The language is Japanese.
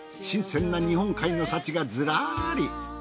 新鮮な日本海の幸がずらり。